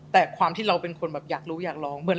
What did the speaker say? แต่เราก็เป็นคนอยากรู้อยากรอง